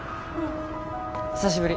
久しぶり。